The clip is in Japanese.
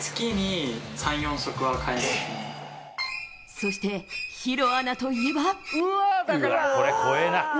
そして、弘アナといえば。